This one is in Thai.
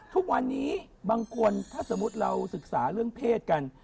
ทุกวันนี้บางคนถ้าสมมุติเราศึกษาเรื่องเพศกัน